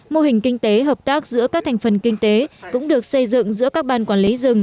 mô hình kinh tế hợp tác giữa các thành phần kinh tế cũng được xây dựng giữa các ban quản lý rừng